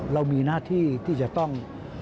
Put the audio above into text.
เรามีหน้าที่ที่จะต้อง